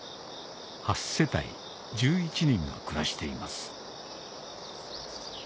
８世帯１１人が暮らしています